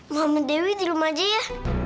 muhammad dewi di rumah aja ya